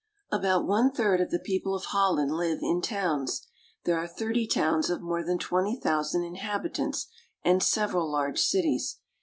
ABOUT one third of the people of Holland live in towns. There are thirty towns of more than twenty thousand inhabitants, and several large cities.